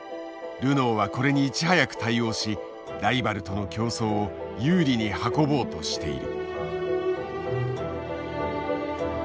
ルノーはこれにいち早く対応しライバルとの競争を有利に運ぼうとしている。